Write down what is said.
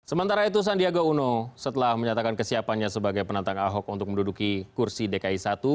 sementara itu sandiaga uno setelah menyatakan kesiapannya sebagai penantang ahok untuk menduduki kursi dki satu